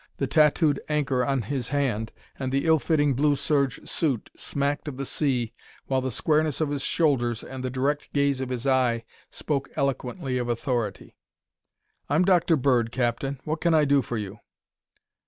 The tattooed anchor on his hand and the ill fitting blue serge suit smacked of the sea while the squareness of his shoulders and the direct gaze of his eye spoke eloquently of authority. "I'm Dr. Bird, Captain. What can I do for you?"